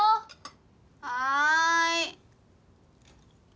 はい。